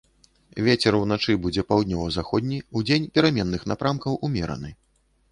Вецер уначы будзе паўднёва-заходні, удзень пераменных напрамкаў ўмераны.